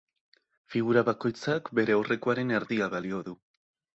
Figura bakoitzak bere aurrekoaren erdia balio du.